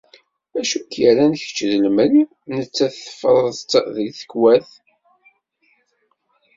Acu i ak-yerran kečč d lemri, nettat teffreḍ-tt deg tekwat.